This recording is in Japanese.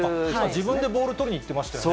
自分でボール取りにいってましたよね。